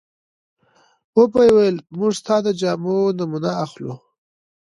وبه یې ویل موږ ستاسو د جامو نمونه اخلو.